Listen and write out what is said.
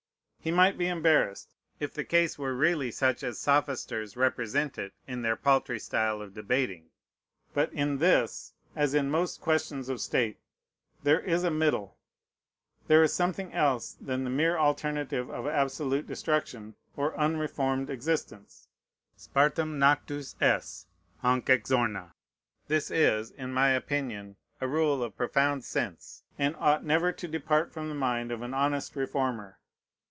He might be embarrassed, if the case were really such as sophisters represent it in their paltry style of debating. But in this, as in most questions of state, there is a middle. There is something else than the mere alternative of absolute destruction or unreformed existence. Spartam nactus es; hanc exorna. This is, in my opinion, a rule of profound sense, and ought never to depart from the mind of an honest reformer.